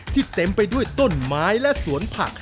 เต็มไปด้วยต้นไม้และสวนผัก